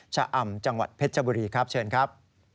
ชะอำจังหวัดเพชรบุรีครับเชิญครับ